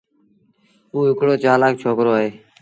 اُ هڪڙو چلآڪ ڇوڪرو اهي۔